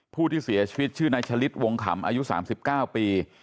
ผู้ที่เสียชีวิตชื่อนายชะลิดวงคำอายุสามสิบเก้าปี